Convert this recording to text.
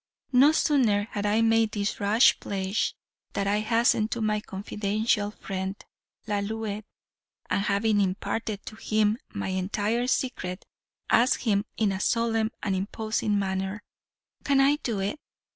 No sooner had I made this rash pledge than I hastened to my confidential friend, Lalouette, and having imparted to him my entire secret, asked him in a solemn and imposing manner, 'Can I do it?'